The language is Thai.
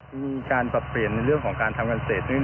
มีการปรับเปลี่ยนในเรื่องของการทำการเกษตร